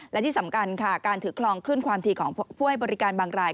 และที่สำคัญค่ะการถือคลองขึ้นความทีของผู้ให้บริการบางราย